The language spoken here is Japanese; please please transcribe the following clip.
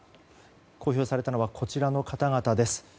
公表されたのはこちらの方々です。